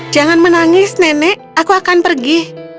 jangan menangis nenek aku akan pergi